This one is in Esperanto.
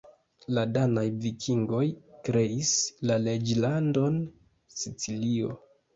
La danaj vikingoj kreis la Reĝlandon Sicilio.